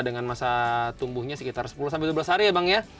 dengan masa tumbuhnya sekitar sepuluh sampai dua belas hari ya bang ya